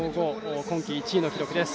今季１位の記録です。